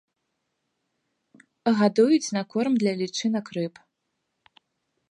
Гадуюць на корм для лічынак рыб.